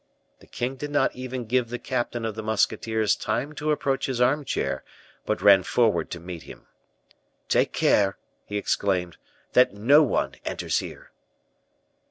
The king did not even give the captain of the musketeers time to approach his armchair, but ran forward to meet him. "Take care," he exclaimed, "that no one enters here."